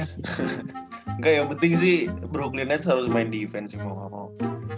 nggak yang penting sih brooklyn nets harus main defense sih mau ga mau